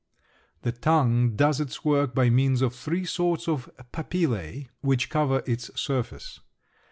The tongue does its work by means of three sorts of papillæ which cover its surface.